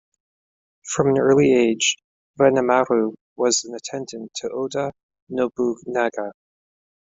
From an early age, Ranmaru was an attendant to Oda Nobunaga.